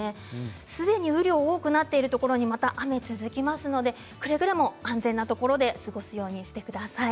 すでに雨量多くなっているところにまた雨が続きますのでくれぐれも安全なところで過ごすようにしてください。